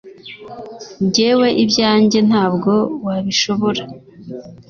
“Jyewe ibyanjye ntabwo wabishobora